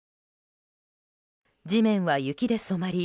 地面は雪で染まり